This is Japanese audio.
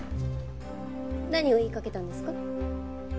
何を言いかけたんですか？